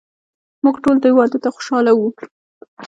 موږ ټول دې واده ته خوشحاله وو.